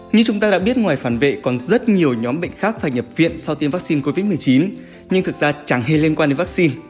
như chúng ta đã biết ngoài phản vệ còn rất nhiều nhóm bệnh khác phải nhập viện sau tiêm vắc xin covid một mươi chín nhưng thực ra chẳng hề liên quan đến vắc xin